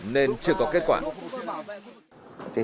nên chưa có kết quả